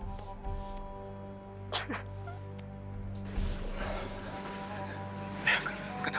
alamu alam rampaknya